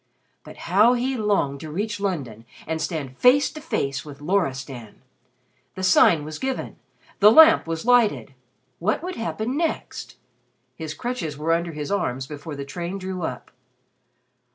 But how he longed to reach London and stand face to face with Loristan! The sign was given. The Lamp was lighted. What would happen next? His crutches were under his arms before the train drew up.